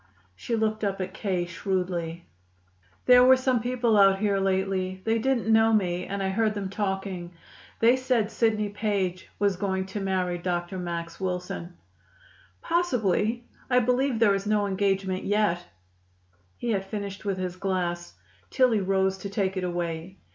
She looked up at K. shrewdly. "There were some people out here lately. They didn't know me, and I heard them talking. They said Sidney Page was going to marry Dr. Max Wilson." "Possibly. I believe there is no engagement yet." He had finished with his glass. Tillie rose to take it away.